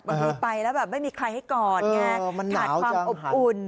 บางทีไปแล้วแบบไม่มีใครให้กอดไงขาดความอบอุ่น